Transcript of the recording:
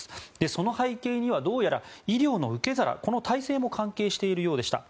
その背景にはどうやら医療の受け皿この体制も関係しているようでした。